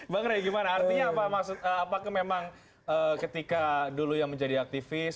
bang ray gimana artinya apa maksud apakah memang ketika dulu yang menjadi aktivis